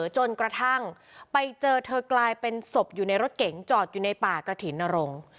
จนกระทั่งไปเจอเธอกลายเป็นศพอยู่ในรถเก๋งจอดอยู่ในป่ากระถิ่นนรงค์